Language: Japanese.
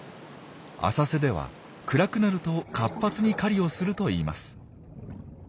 浅瀬では暗くなると活発に狩りをするといいます。